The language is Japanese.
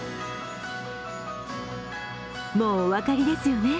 もうお分かりですよね。